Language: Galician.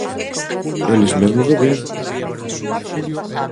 Eles mesmos o din.